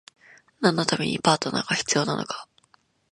何のためにパートナーが必要なのか？